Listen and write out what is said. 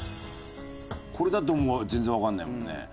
これだともう全然わかんないもんね。